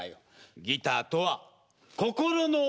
ギターとは心のお友達。